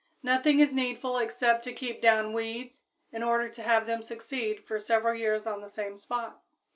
Nothing is needful except to keep down weeds in order to have them succeed for several years on the same spot.